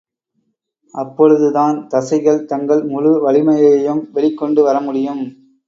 அப்பொழுது தான் தசைகள் தங்கள் முழு வலிமையையும் வெளிக்கொண்டு வர முடியும்.